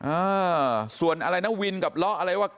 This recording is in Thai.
อ่าส่วนอะไรนะวินกับล้ออะไรว่า